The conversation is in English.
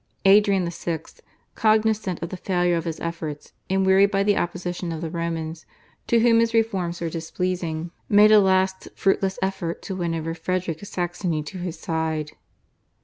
Adrian VI., cognisant of the failure of his efforts and wearied by the opposition of the Romans to whom his reforms were displeasing, made a last fruitless effort to win over Frederick of Saxony to his side.